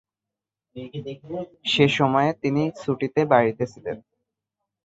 সে সময়ে তিনি ছুটিতে বাড়িতে ছিলেন।